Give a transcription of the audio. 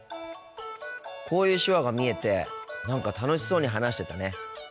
こういう手話が見えて何か楽しそうに話してたね。